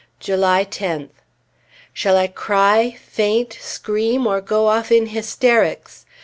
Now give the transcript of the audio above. July 10th. Shall I cry, faint, scream, or go off in hysterics?